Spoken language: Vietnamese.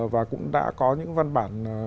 và cũng đã có những văn bản